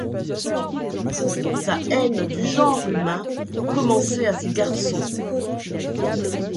Sa haine du genre humain commençait à ses garçons.